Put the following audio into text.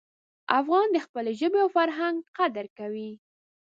افغان د خپلې ژبې او فرهنګ قدر کوي.